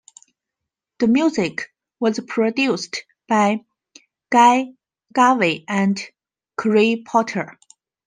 The music was produced by Guy Garvey and Craig Potter.